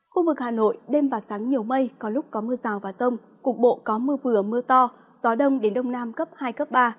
khu vực hà nội đêm và sáng nhiều mây có lúc có mưa rào và rông cục bộ có mưa vừa mưa to gió đông đến đông nam cấp hai cấp ba